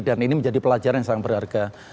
dan ini menjadi pelajaran yang sangat berharga